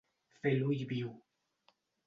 Fer l'ull viu.